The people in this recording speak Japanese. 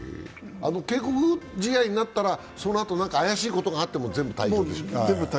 警告試合になったらそのあと怪しいことがあっても全部退場？